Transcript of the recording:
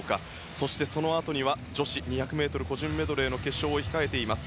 そしてそのあとには女子２００ｍ個人メドレーの決勝を控えています。